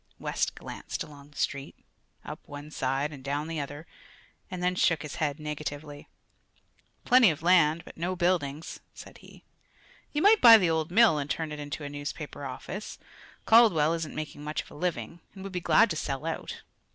West glanced along the street up one side and down the other and then shook his head negatively. "Plenty of land, but no buildings," said he. "You might buy the old mill and turn it into a newspaper office. Caldwell isn't making much of a living and would be glad to sell out."